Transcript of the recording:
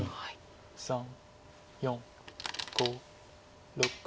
３４５６。